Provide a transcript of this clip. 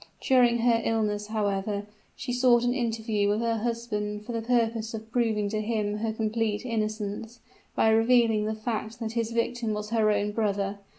During her illness, however, she sought an interview with her husband for the purpose of proving to him her complete innocence, by revealing the fact that his victim was her own brother!